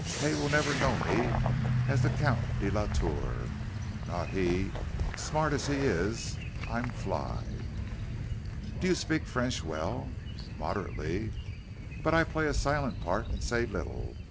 Hay will never know me as the Count de la Tour. Not he, smart as he is. I'm fly!" "Do you speak French well?" "Moderately. But I play a silent part and say little.